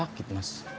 dari mana pak